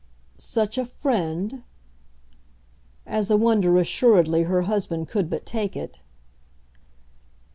"'Such a friend'?" As a wonder, assuredly, her husband could but take it.